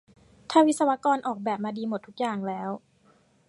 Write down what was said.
ถ้าวิศวกรออกแบบมาดีหมดทุกอย่างแล้ว